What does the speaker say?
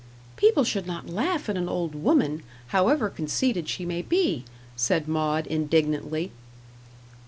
"People should not laugh at an old woman, however conceited she may be," said Maud, indignantly.